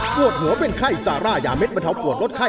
ปวดหัวเป็นไข้ซาร่ายาเด็ดบรรเทาปวดลดไข้